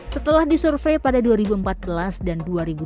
setelah disurvey pada dua ribu empat belas dan dua ribu dua puluh